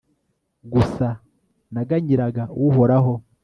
gusa, naganyiraga uhoraho